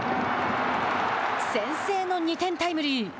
先制の２点タイムリー。